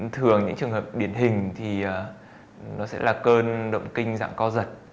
thường những trường hợp điển hình thì nó sẽ là cơn động kinh dạng co giật